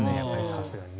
さすがにね。